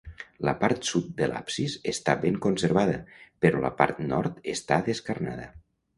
La part sud de l'absis està ben conservada, però la part nord està descarnada.